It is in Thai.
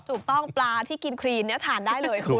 ถูกต้องปลาที่กินครีนทานได้เลยคุณ